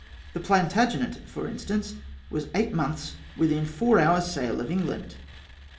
The Plantagenet, for instance, was eight months within four hours' sail of England.